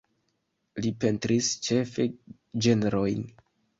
Li pentris ĉefe ĝenrojn.